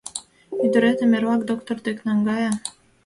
Ӱдыретым эрлак доктор дек наҥгае.